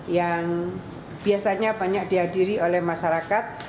yang biasanya banyak dihadiri oleh masyarakat